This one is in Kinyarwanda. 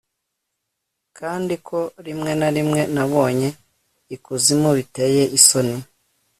Kandi ko rimwe na rimwe nabonye ikuzimu biteye isoni